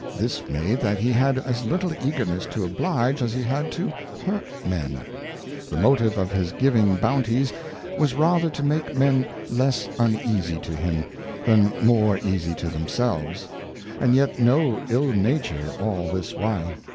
This made that he had as little Eagerness to oblige, as he had to hurt Men ; the Motive of his giving Bounties was rather to make Men less uneasy to him, than more easy to themselves ; and yet no iU nature aU this while.